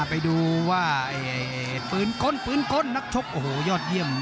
ไปดูว่าปืนก้นปืนก้นนักชกโอ้โหยอดเยี่ยม